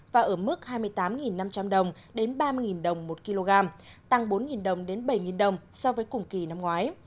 và ở mức hai mươi tám năm trăm linh đồng đến ba mươi đồng một kg tăng bốn đồng đến bảy đồng so với cùng kỳ năm ngoái